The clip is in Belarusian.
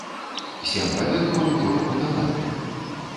Сем паверхаў ужо пабудаваныя.